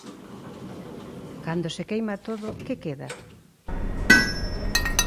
Cando se queima todo, que queda?